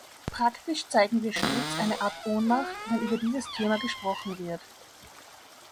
Praktisch zeigen wir stets eine Art Ohnmacht, wenn über dieses Thema gesprochen wird.